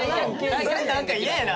それなんか嫌やな。